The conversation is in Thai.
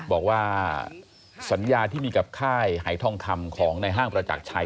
บอกว่าสัญญาที่มีกับค่ายหายทองคำของในห้างประจักรชัย